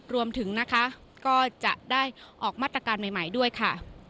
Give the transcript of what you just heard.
รวมถึงนะคะก็จะได้ออกมาตรการใหม่ด้วยค่ะ